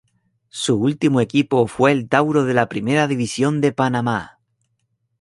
Su último equipo fue el Tauro de la Primera División de Panamá.